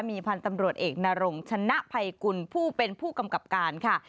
มีพันธ์ตำรวจเอกนรงชนะภัยกุลผู้เป็นผู้กำกับการค่ะ